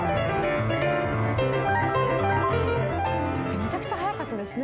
めちゃくちゃ速かったですね。